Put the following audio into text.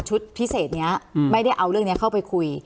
ชุดพิเศษเนี้ยอืมไม่ได้เอาเรื่องเนี้ยเข้าไปคุย